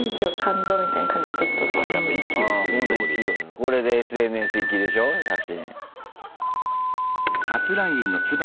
これでＳＮＳ行きでしょ写真。